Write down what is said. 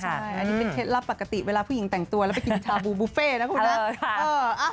อันนี้เป็นเคล็ดลับปกติเวลาผู้หญิงแต่งตัวแล้วไปกินชาบูบูเฟ่นะคุณนะ